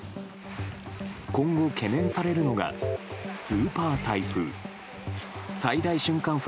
今後、懸念されるのがスーパー台風。